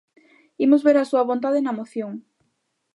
Imos ver a súa vontade na moción.